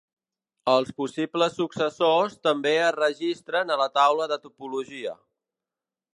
Els possibles successors també es registren a la taula de topologia.